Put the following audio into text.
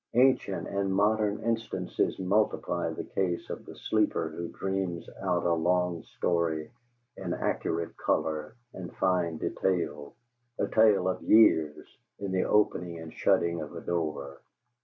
Ancient and modern instances multiply the case of the sleeper who dreams out a long story in accurate color and fine detail, a tale of years, in the opening and shutting of a door.